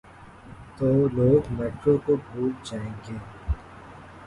تو لوگ میٹرو کو بھول جائیں گے۔